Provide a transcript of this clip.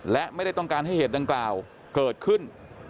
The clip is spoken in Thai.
และไม่ได้ต้องการให้เหตุดังกล่าวเกิดขึ้น